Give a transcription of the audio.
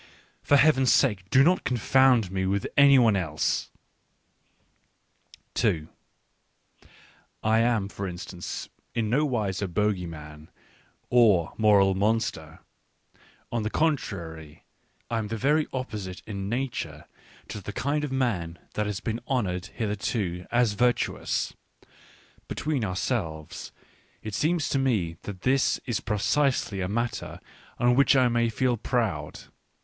For Heaven's sake do not confound me with any one else / 2 I am, for instance, in no wise a bogey man, or moral monster. On the contrary, I am the very Digitized by Google 2 • p£ E £ AC g opposite in nature to the kind of man that has been honoured hitherto as virtuous. Between ourselves, it seems to me that this is precisely a matter on which I may feel proud.